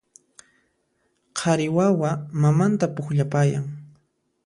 Qhari wawa mamanta pukllapayan